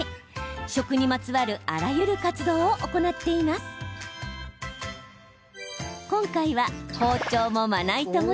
食にまつわるあらゆる活動を行っています。